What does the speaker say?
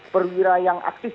perwira yang aktif